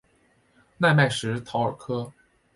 奈迈什科尔陶。